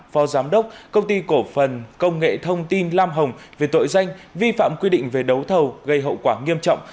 phó giám đốc công ty cổ phần công nghệ thông tin lam hồng về tội danh vi phạm quy định về đấu thầu gây hậu quả nghiêm trọng